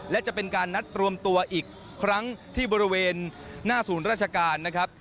และจะเป็นการนัดรวมตัวอีกครั้งที่บริเวณหน้าศูนย์ราชการนะครับ